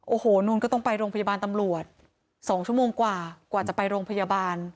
โอ้โหนู่นก็ต้องไปโรงพยาบาลตำรวจ๒ชั่วโมงกว่ากว่าจะไปโรงพยาบาล